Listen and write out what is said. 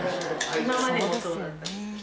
今までもそうだった。